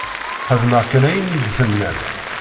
Xedmeɣ kan ayen i yi-d-tennam.